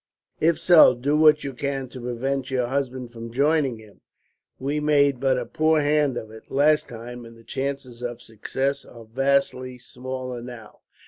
If so, do what you can to prevent your husband from joining him. We made but a poor hand of it, last time; and the chances of success are vastly smaller now.